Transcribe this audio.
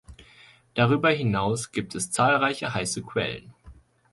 Darüber hinaus gibt es zahlreiche heiße Quellen.